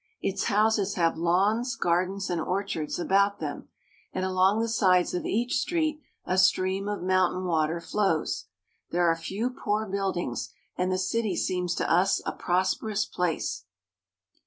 Its houses have lawns, gardens, .and orchards about them ; and along the sides of each street a stream of mountain water flows. There are few poor buildings, and the city seems to us a prosperous place.